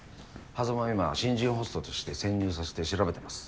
硲を今新人ホストとして潜入させて調べてます。